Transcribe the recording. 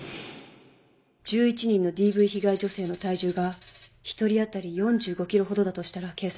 １１人のＤＶ被害女性の体重が一人当たり４５ｋｇほどだとしたら計算が合う。